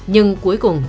nhưng cuối cùng